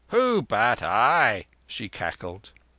Who but I?" she cackled.